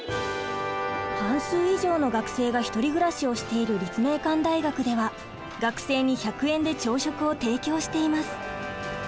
半数以上の学生が１人暮らしをしている立命館大学では学生に１００円で朝食を提供しています。